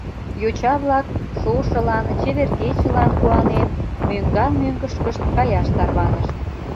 Йоча-влак, шошылан, чевер кечылан куанен, мӧҥган-мӧҥгышкышт каяш тарванышт.